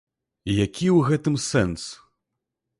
Які ў гэтым сэнс?